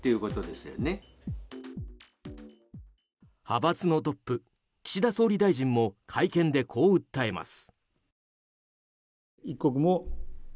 派閥のトップ、岸田総理大臣も会見でこう訴えます。